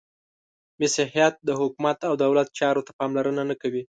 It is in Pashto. • مسیحیت د حکومت او دولت چارو ته پاملرنه نهکوي.